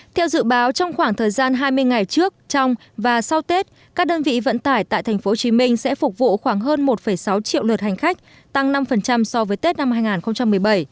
theo dự báo trong khoảng thời gian hai mươi ngày trước trong và sau tết các đơn vị vận tải tại tp hcm sẽ phục vụ khoảng hơn một sáu triệu lượt hành khách tăng năm so với tết năm hai nghìn một mươi bảy